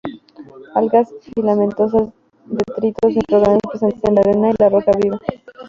Algas filamentosas, detritos, micro-organismos presentes en la arena y la roca viva.